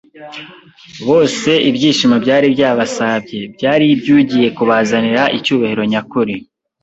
Bose ibyishimo byari byabasabye; byari iby'ugiye kubazanira icyubahiro nyakuri